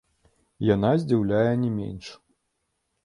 Яна здзіўляе не менш.